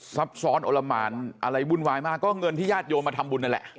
ซับซ้อนโอละหมานอะไรวุ่นวายมากก็เงินที่ญาติโยมมาทำบุญนั่นแหละ